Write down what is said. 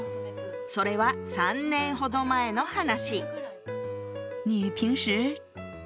それは３年ほど前の話。